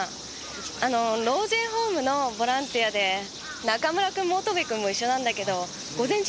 あの老人ホームのボランティアで中村君も乙部君も一緒なんだけど午前中で終わりそうなんだ。